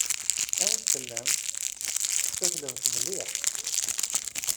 Amek tellamt? Tessaklemt mliḥ?